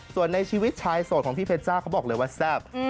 ส่วนในชีวิตชายโสดของพี่เพชจ้าเขาบอกเลยว่าแซ่บ